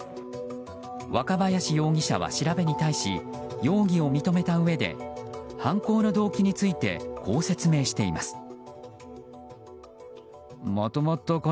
若林容疑者は調べに対し容疑を認めたうえで犯行の動機についてこう説明しています。